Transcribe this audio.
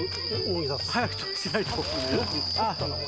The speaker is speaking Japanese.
早くしないと。